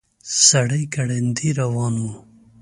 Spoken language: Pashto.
سړی ګړندي روان و.